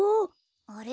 あれ？